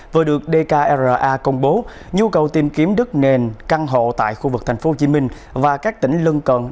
vừa được dkra công bố nhu cầu tìm kiếm đất nền căn hộ tại khu vực tp hcm và các tỉnh lân cận